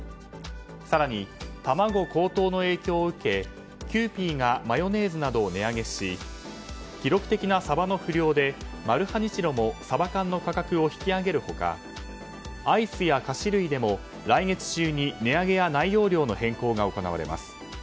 更に、卵高騰の影響を受けキユーピーがマヨネーズなどを値上げし記録的なサバの不漁でマルハニチロもサバ缶の価格を引き上げる他アイスや菓子類でも来月中に値上げや内容量の変更が行われます。